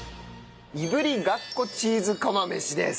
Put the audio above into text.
いぶりがっこチーズ釜飯です。